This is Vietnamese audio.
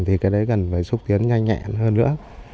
thì cái đấy cần phải xúc tiến nhanh nhẹn hơn nữa